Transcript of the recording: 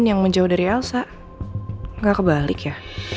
yang menjauh dari elsa nggak kebalik ya